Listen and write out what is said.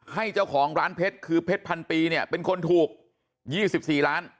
ให้เจ้าของร้านเพชรคือเพชรพันปีเนี่ยเป็นคนถูก๒๔ล้าน